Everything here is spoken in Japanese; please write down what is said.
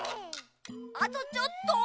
あとちょっと。